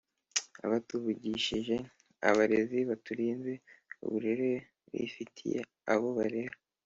abatuvukije abarezi baturinze uburere bifitiye abo barera